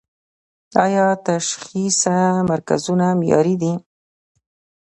آیا تشخیصیه مرکزونه معیاري دي؟